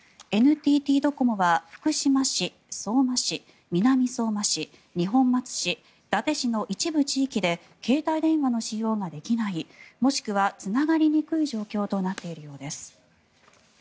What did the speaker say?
ＮＴＴドコモは福島市、相馬市南相馬市、二本松市、伊達市の一部地域で携帯電話の使用ができないもしくはつながりにくい状況となっているようです。